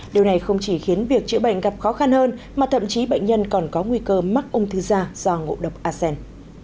điều này không chỉ khiến việc chữa bệnh gặp khó khăn hơn mà thậm chí bệnh nhân còn có nguy cơ mắc ung thư da do ngộ độc acen